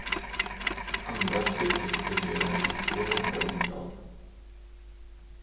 Andra stycket reglerar ytterligare formkrav.